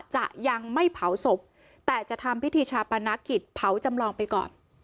จะยังไม่เผาศพแต่จะทำพิธีชาปนกิจเผาจำลองไปก่อน